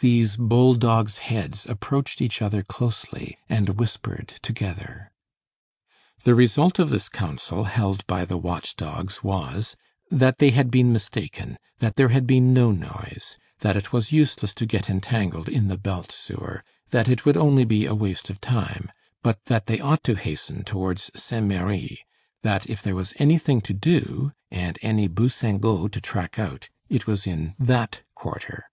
These bull dogs' heads approached each other closely and whispered together. The result of this council held by the watch dogs was, that they had been mistaken, that there had been no noise, that it was useless to get entangled in the belt sewer, that it would only be a waste of time, but that they ought to hasten towards Saint Merry; that if there was anything to do, and any "bousingot" to track out, it was in that quarter.